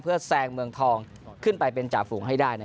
เพื่อแซงเมืองทองขึ้นไปเป็นจ่าฝูงให้ได้